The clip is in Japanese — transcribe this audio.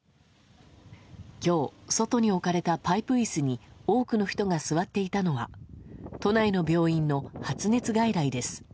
今日、外に置かれたパイプ椅子に多くの人が座っていたのは都内の病院の発熱外来です。